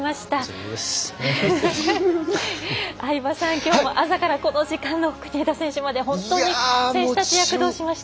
きょうも朝朝からこの時間の国枝選手まで本当に選手たち躍動しました。